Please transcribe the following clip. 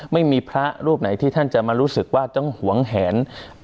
ไม่มีพระรูปไหนที่ท่านจะมารู้สึกว่าต้องหวงแหน